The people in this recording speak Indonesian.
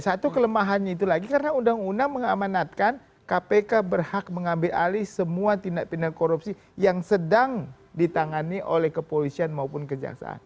satu kelemahannya itu lagi karena undang undang mengamanatkan kpk berhak mengambil alih semua tindak pindah korupsi yang sedang ditangani oleh kepolisian maupun kejaksaan